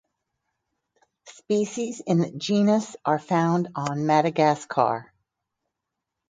Species in the genus are found on Madagascar.